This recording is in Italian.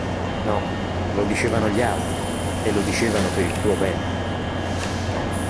No, lo dicevano gli altri, e lo dicevano per il tuo bene.